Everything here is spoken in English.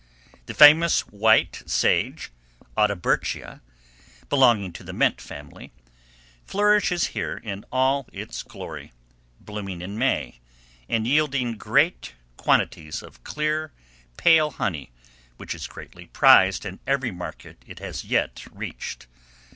The famous White Sage (Audibertia), belonging to the mint family, flourishes here in all its glory, blooming in May, and yielding great quantities of clear, pale honey, which is greatly prized in every market it has yet reached.